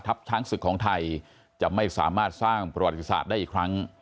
ช้างศึกของไทยจะไม่สามารถสร้างประวัติศาสตร์ได้อีกครั้ง